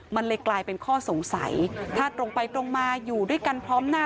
มันเลยกลายเป็นข้อสงสัยถ้าตรงไปตรงมาอยู่ด้วยกันพร้อมหน้า